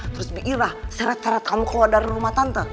terus mikir lah seret seret kamu keluar dari rumah tante